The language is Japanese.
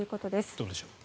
どうでしょう。